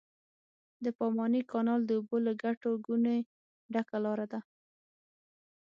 د پاماني کانال د اوبو له ګټه ګونې ډکه لاره ده.